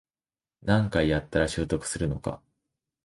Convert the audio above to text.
何回やったら習得するのか